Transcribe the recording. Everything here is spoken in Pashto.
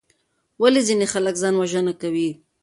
ولې ځینې خلک ځان وژنه کوي؟